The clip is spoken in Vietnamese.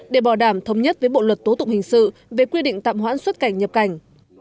để bảo đảm thống nhất với bộ luật tố tụng hình sự về quy định tạm hoãn xuất cảnh nhập cảnh